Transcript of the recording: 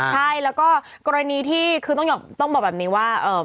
ใช่แล้วก็กรณีที่คือต้องบอกแบบนี้ว่า